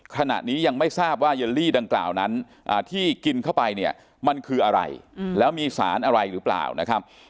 ขณะนี้ยังไม่ทราบว่าเยลลี่ดังกล่าวนั้นที่กินเข้าไปเนี่ยมันคืออะไรแล้วมีสารอะไรหรือเปล่านะครับ